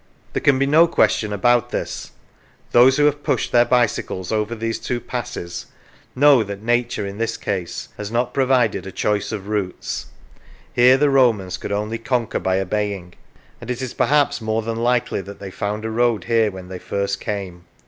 There can be no question about this; those who have pushed their bicycles over these two passes know that Nature in this case has not provided a choice of routes; here the Romans could only conquer by 4 Boundaries obeying; and it is perhaps more than likely that they found a road here when they first came.